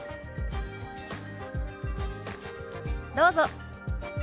どうぞ。